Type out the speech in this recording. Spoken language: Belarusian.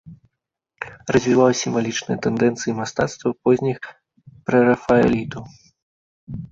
Развіваў сімвалічныя тэндэнцыі мастацтва позніх прэрафаэлітаў.